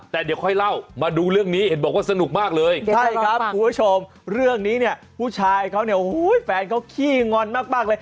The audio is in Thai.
ตกเสียงไปเลยคุณผู้ชม